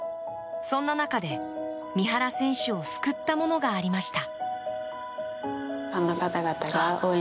そんな中で三原選手を救ったものがありました。